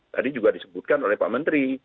tadi juga disebutkan oleh pak menteri